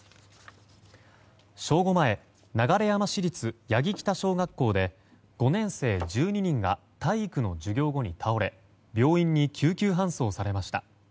正午前、流山市立八木北小学校で５年生１２人が体育の授業後に倒れ病院に救急搬送されました。